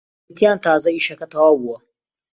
گوتیان تازە ئیشەکە تەواو بووە